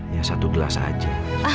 ya satu gelas aja